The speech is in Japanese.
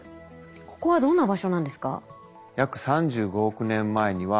ここはどんな場所なんですか？